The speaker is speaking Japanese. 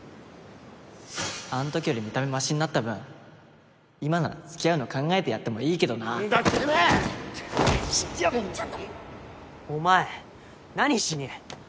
あん時より見た目マシになった分今なら付き合うの考えてやってもいいけどなお前何しに。